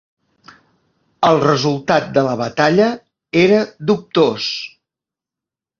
El resultat de la batalla era dubtós.